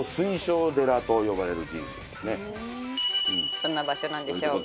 どんな場所なんでしょうか？